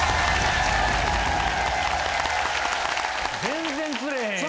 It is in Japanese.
全然釣れへんやん。